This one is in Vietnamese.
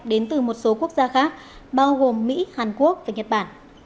đến từ một số quốc gia khác bao gồm mỹ hàn quốc và nhật bản